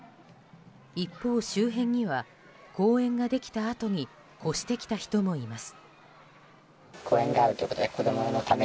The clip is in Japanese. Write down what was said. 一方、周辺には公園ができたあとに越してきた人もいます。